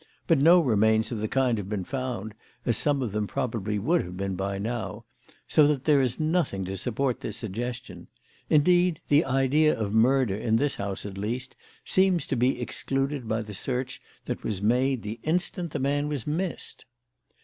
But no remains of the kind have been found, as some of them probably would have been by now, so that there is nothing to support this suggestion; indeed, the idea of murder, in this house at least, seems to be excluded by the search that was made the instant the man was missed.